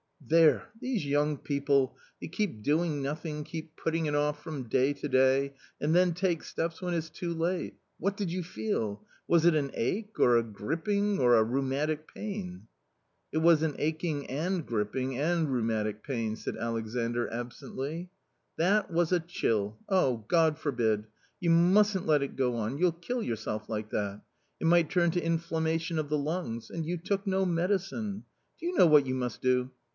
" There, these young people ! they keep doing nothing, keep putting it off from day to day, and then take steps when it's too late ! What did you feel ? was it an ache or a griping or a rheumatic pain ?" It was an aching and griping and rheumatic pain !" said Alexandr absently. " That was a chili ; God forbid ! you mustn't let it go on, you'll kill yourself like that .... it might turn to inflamma tion of the lungs ; and you took no medicine ! Do you know what you must do?